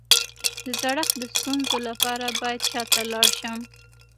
د زړښت د ستونزو لپاره باید چا ته لاړ شم؟